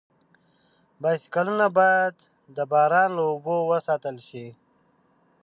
بایسکلونه باید د باران له اوبو وساتل شي.